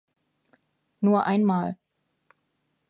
Nur einmal.